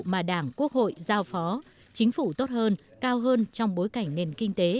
mà đảng quốc hội giao phó chính phủ tốt hơn cao hơn trong bối cảnh nền kinh tế